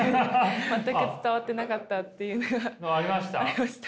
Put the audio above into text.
全く伝わってなかったっていうのがありました。